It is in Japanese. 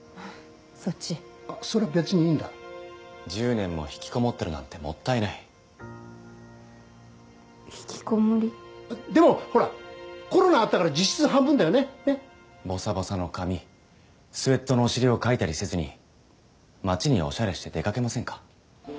そっちそれ別にいいんだ１０年も引きこもってるなんてもったいない引きこもりでもほらコロナあったから実質半分だよねねえボサボサの髪スエットのお尻をかいたりせずに街にオシャレして出かけませんか？